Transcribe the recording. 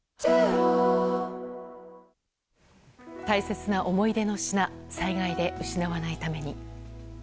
大切な思い出の品災害で失わないために。